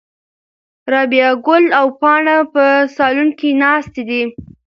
رابعه ګل او پاڼه په صالون کې ناستې دي.